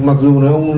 mặc dù là ông